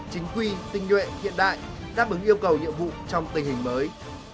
chính quy tinh nhuệ hiện đại đáp ứng yêu cầu nhiệm vụ trong tình hình mới